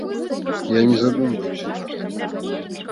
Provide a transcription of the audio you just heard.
Я не задумваюся пра гэта.